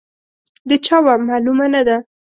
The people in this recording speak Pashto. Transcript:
د چا وه، معلومه نه ده.